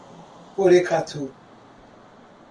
Porecatu